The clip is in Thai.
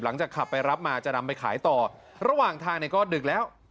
หลังจากขับไปรับมาจะนำไปขายต่อระหว่างทางเนี่ยก็ดึกแล้ว